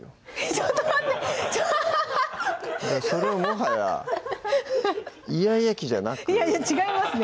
ちょっと待ってちょっとそれはもはやイヤイヤ期じゃなくいやいや違いますね